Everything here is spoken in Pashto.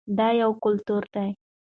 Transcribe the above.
دا یو کلتور دی.